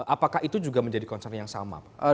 apakah itu juga menjadi concern yang sama pak